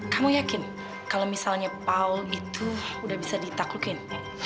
kamu yakin kalau misalnya paul itu udah bisa ditaklukin